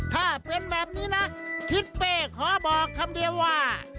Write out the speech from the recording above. ถ้าเป็นแบบนี้นะทิศเป้ขอบอกคำเดียวว่า